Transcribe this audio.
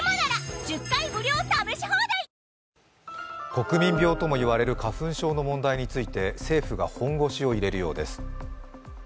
国民病とも言われる花粉症の問題について政府が本腰を入れるようです。